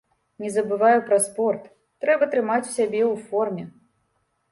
Не забываю пра спорт, трэба трымаць сябе ў форме.